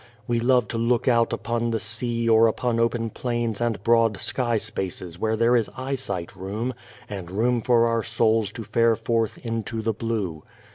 We love to look out upon the sea or upon open plains and broad sky spaces where there is " eyesight room" and room for our souls to fare forth into the blue.